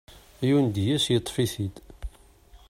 Yundi-as, yeṭṭef-it-id.